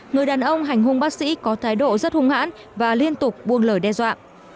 người đàn ông hành hung bác sĩ có thái độ rất hung hãn và liên tục buông lời đe dọa